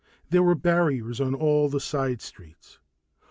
There were barriers on all the side streets.